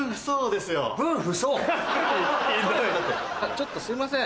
ちょっとすいません